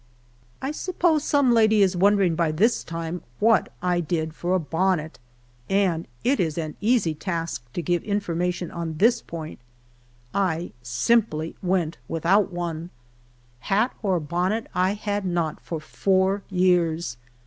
I suppose some lady is wondering by this time what I did for a bonnet, and it is an easy task to give information on this point. I simply went without one. Hat or bonnet 1 had not for four years.